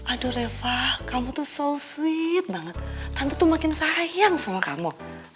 aduh reva kamu tuh soid banget tante tuh makin sayang sama kamu